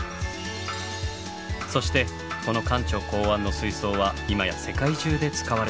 そしてこの館長考案の水槽は今や世界中で使われているのです。